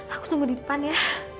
aku tunggu di depan ya